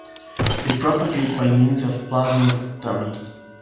They propagate by means of plasmotomy.